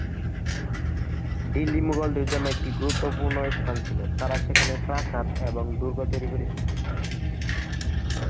দিল্লি মুঘলদের জন্য একটি গুরুত্বপূর্ণ স্থান ছিল, তারা এখানে প্রাসাদ এবং দুর্গ তৈরি করেছিল।